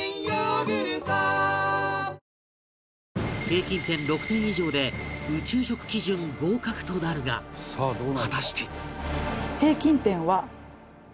平均点６点以上で宇宙食基準合格となるが果たして